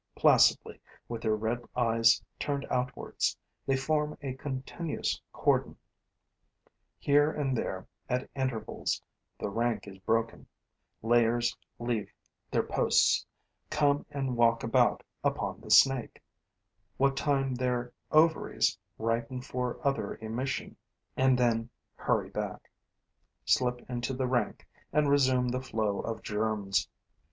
Placidly, with their red eyes turned outwards, they form a continuous cordon. Here and there, at intervals, the rank is broken; layers leave their posts, come and walk about upon the snake, what time their ovaries ripen for another emission, and then hurry back, slip into the rank and resume the flow of germs.